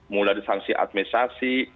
mulai dari sanksi administrasi